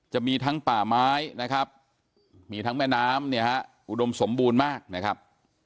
จะมีทั้งป่าไม้นะครับมีทั้งแม่น้ำเนี่ยฮะอุดมสมบูรณ์มากนะครับ